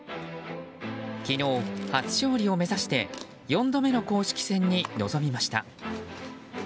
昨日、初勝利を目指して４度目の公式戦に臨みました。